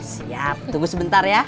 siap tunggu sebentar ya